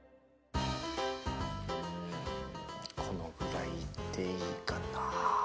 このぐらいでいいかな。